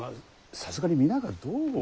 さすがに皆がどう思うか。